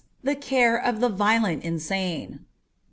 THE CARE OF THE VIOLENT INSANE.